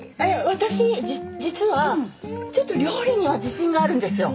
私実はちょっと料理には自信があるんですよ。